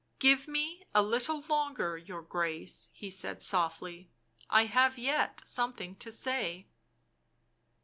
" Give me a little longer, your Grace," he said softly. " I have yet something to say."